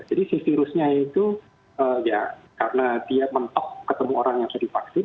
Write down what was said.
jadi si virusnya itu ya karena dia mentok ketemu orang yang sudah divaksin